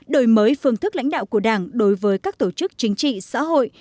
đổi mới phương thức lãnh đạo của đảng đối với các tổ chức chính trị xã hội